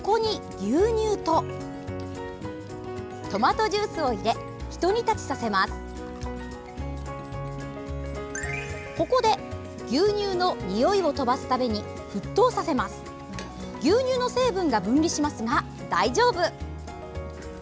牛乳の成分が分離しますが大丈夫！